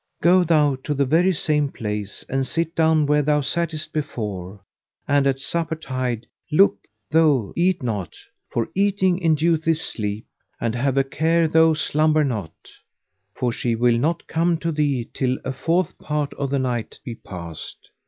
Go thou to the very same place and sit down where thou sattest before and at supper tide look thou eat not, for eating induceth sleep; and have a care thou slumber not, for she will not come to thee till a fourth part of the night be passed.